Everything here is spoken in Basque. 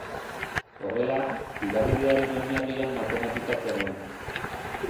Horrela, piramidearen oinarrian matematika zegoen.